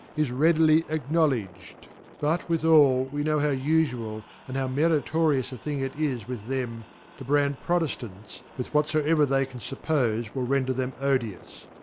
is neadily acknowledged^ but withal, we know how ufaal, and hew Meritorious a' thing it is with them, to brand P rot ejlants with whatfoever they canfuppofe wilL render }hem odious.